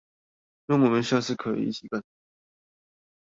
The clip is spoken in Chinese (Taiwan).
讓我們下次可以一起更好！